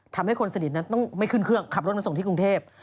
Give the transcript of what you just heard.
ทำให้คนสนิทนั้นต้องไม่ขึ้นเครื่องขับรถมาส่งที่กรุงเทพ